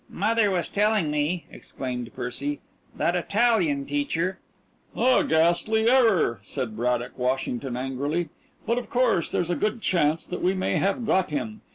"Mother was telling me," exclaimed Percy, "that Italian teacher " "A ghastly error," said Braddock Washington angrily. "But of course there's a good chance that we may have got him.